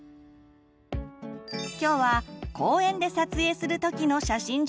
今日は公園で撮影する時の写真術。